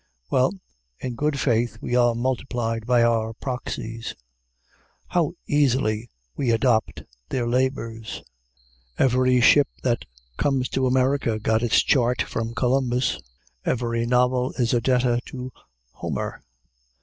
Well, in good faith, we are multiplied by our proxies. How easily we adopt their labors. Every ship that comes to America got its chart from Columbus. Every novel is a debtor to Homer.